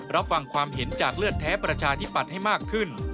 รับฟังความเห็นจากเลือดแท้ประชาธิปัตย์ให้มากขึ้น